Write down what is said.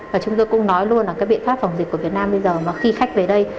và chúng tôi cũng nói luôn là cái biện pháp phòng dịch của việt nam bây giờ mà khi khách về đây